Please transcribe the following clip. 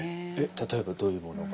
例えばどういうものが？